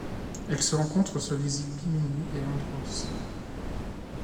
Elle se rencontre sur les îles Bimini et Andros.